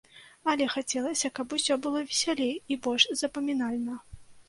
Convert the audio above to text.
Але хацелася, каб усё было весялей і больш запамінальна.